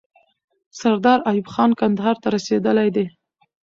سردار ایوب خان کندهار ته رسیدلی دی.